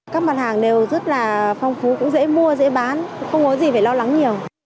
các mặt hàng đều rất là phong phú cũng dễ mua dễ bán không có gì phải lo lắng nhiều